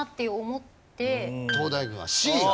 東大軍はＣ。